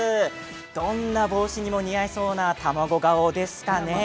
どんな帽子にも似合いそうなたまご顔ですかね。